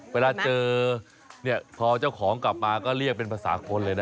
เวลาเจอเนี่ยพอเจ้าของกลับมาก็เรียกเป็นภาษาคนเลยนะ